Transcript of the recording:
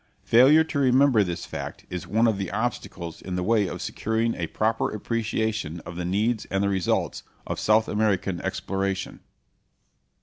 Failure to remember this fact is one of the obstacles in the way of securing a proper appreciation of the needs and the results, of South American exploration.